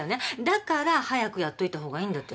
だから早くやっといた方がいいんだって。